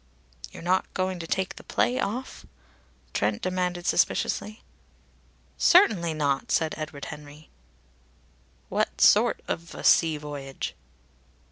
"You're not going to take the play off?" Trent demanded suspiciously. "Certainly not!" said Edward Henry. "What sort of a sea voyage?"